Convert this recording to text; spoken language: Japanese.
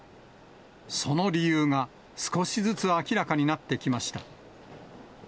その理由が少しずつ明らかになってきました。